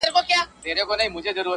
o د سوال په اوبو ژرنده نه گرځي!